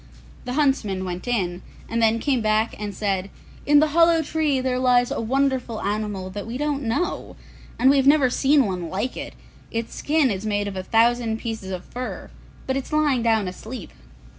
The huntsmen went in, and then came back and said, 'In the hollow tree there lies a wonderful animal that we don't know, and we have never seen one like it; its skin is made of a thousand pieces of fur; but it is lying down asleep.